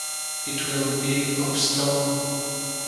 It will be of stone.